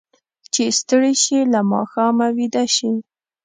چې ستړي شي، له ماښامه ویده شي.